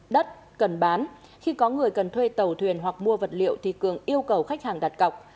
đất cần bán khi có người cần thuê tàu thuyền hoặc mua vật liệu thì cường yêu cầu khách hàng đặt cọc